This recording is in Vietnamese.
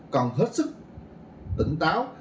còn hết sức tỉnh táo